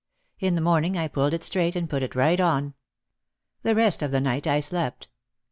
In the morning I pulled it straight and put it right on. The rest of the night I slept.